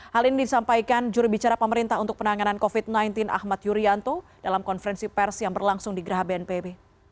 hal ini disampaikan jurubicara pemerintah untuk penanganan covid sembilan belas ahmad yuryanto dalam konferensi pers yang berlangsung di geraha bnpb